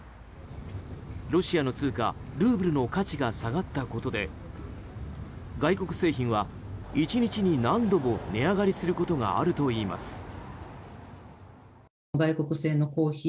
ロシアの通貨ルーブルの価値が下がったことで外国製品は１日に何度も値上がりすることがあるといいます。